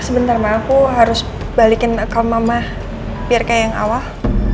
sebentar mah aku harus balikin akal mama biar kayak yang awal